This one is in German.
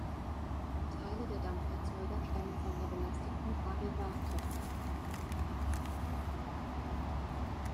Teile der Dampferzeuger stammen von der belasteten Areva-Tochter.